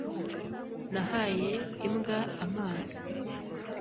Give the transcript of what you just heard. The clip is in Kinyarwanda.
Nahaye imbwa amazi.